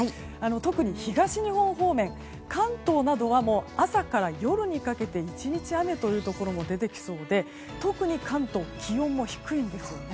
特に、東日本方面関東などはもう朝から夜にかけて１日雨というところも出てきそうで特に関東は気温も低いんです。